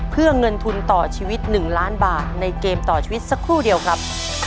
เพื่อเงินทุนต่อชีวิต๑ล้านบาทในเกมต่อชีวิตสักครู่เดียวครับ